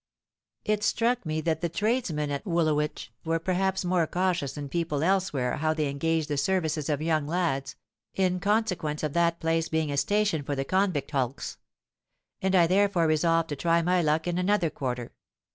It struck me that the tradesmen at Woolwich were perhaps more cautious than people elsewhere how they engaged the services of young lads, in consequence of that place being a station for the convict hulks; and I therefore resolved to try my luck in another quarter.